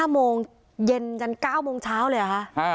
๕โมงเย็นจน๙โมงเช้าเลยเหรอคะ